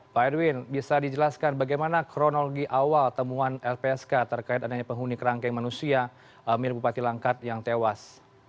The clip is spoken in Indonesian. pak edwin bisa dijelaskan bagaimana kronologi awal temuan lpsk terkait adanya penghuni kerangkeng manusia milik bupati langkat yang tewas